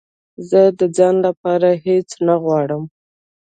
زه د ځان لپاره هېڅ نه غواړم